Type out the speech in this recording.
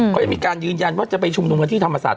เขายังมีการยืนยันว่าจะไปชุมนุมกันที่ธรรมศาส